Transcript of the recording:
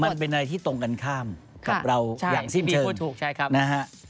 มันเป็นอะไรที่ตรงกันข้ามกับเราอย่างสิ้นเชิง